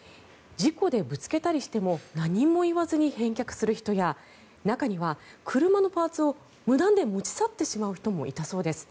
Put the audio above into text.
事故でぶつけたりしても何も言わずに返却する人や中には車のパーツを無断で持ち去ってしまう人もいたそうです。